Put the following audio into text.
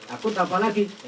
aku tahu apa lagi